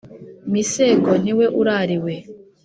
Misego niwe urariwe